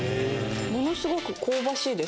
ものすごく香ばしいです